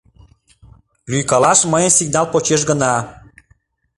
Лӱйкалаш мыйын сигнал почеш гына.